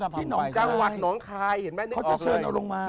พระพุทธศรีหิงจังหวัดหนองคายเห็นไหมนึกออกเลยเขาจะเชิญเอาลงมา